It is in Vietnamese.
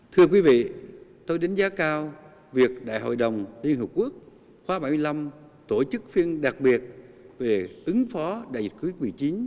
thưa quý vị tôi đánh giá cao việc đại hội đồng liên hợp quốc khóa bảy mươi năm tổ chức phiên đặc biệt về ứng phó đại dịch covid một mươi chín